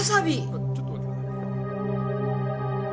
あっちょっと待ってくださいね。